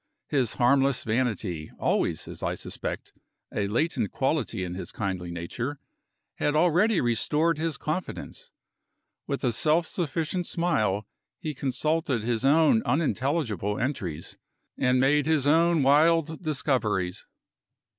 His harmless vanity, always, as I suspect, a latent quality in his kindly nature, had already restored his confidence. With a self sufficient smile he consulted his own unintelligible entries, and made his own wild discoveries.